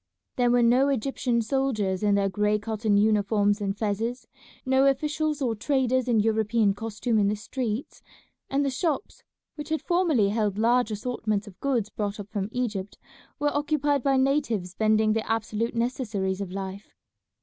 There were no Egyptian soldiers in their gray cotton uniforms and fezes, no officials or traders in European costume in the streets, and the shops which had formerly held large assortments of goods brought up from Egypt were occupied by natives vending the absolute necessaries of life.